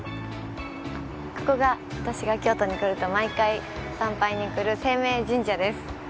ここが、私が京都に来ると毎回、参拝に来る晴明神社です。